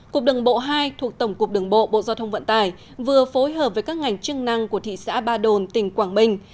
cục đường bộ hai thuộc tổng cục đường bộ bộ giao thông vận tải vừa phối hợp với các ngành chức năng của thị xã ba đồn tỉnh quảng bình